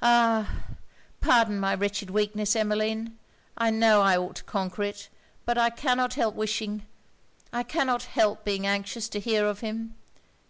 'Ah! pardon my wretched weakness, Emmeline! I know I ought to conquer it! But I cannot help wishing I cannot help being anxious to hear of him!